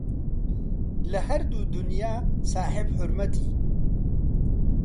لە هەردوو دونیا ساحێب حورمەتی